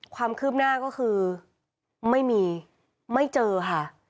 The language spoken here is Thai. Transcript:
ความคืบหน้าก็คือไม่มีไม่เจอค่ะ